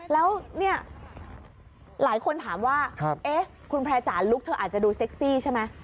แล้วเนี่ยหลายคนถามว่าเอ๊ะคุณแพร่จ๋าลุคเธออาจจะดูเซ็กซี่ใช่ไหม